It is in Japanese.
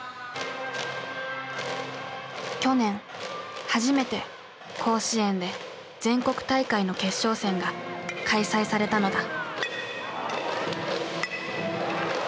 去年初めて甲子園で全国大会の決勝戦が開催されたのだ。